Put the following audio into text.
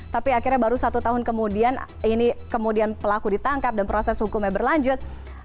tapi akhirnya baru satu tahun kemudian ini kemudian pelaku ditangkap dan proses hukumnya berlanjut